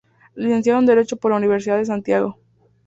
Licenciado en Derecho por la Universidad de Santiago.